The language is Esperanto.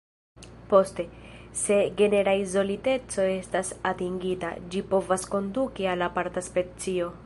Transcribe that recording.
Poste, se genera izoliteco estas atingita, ĝi povas konduki al aparta specio.